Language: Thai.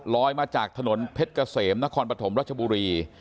มาจากถนนเพชรเกษมนครปฐมรัชบุรี